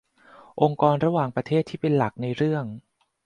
องค์กรระหว่างประเทศที่เป็นหลักในเรื่อง